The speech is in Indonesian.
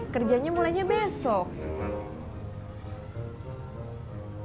kerjanya mulainya besok